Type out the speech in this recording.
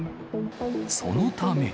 そのため。